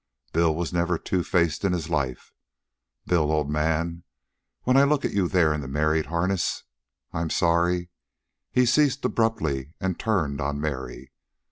Bill was never two faced in his life. Bill, old man, when I look at you there in the married harness, I'm sorry " He ceased abruptly and turned on Mary.